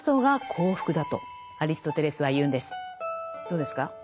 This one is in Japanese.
どうですか？